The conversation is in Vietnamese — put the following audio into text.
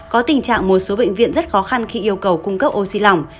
có tình trạng một số bệnh viện rất khó khăn khi yêu cầu cung cấp oxy lỏng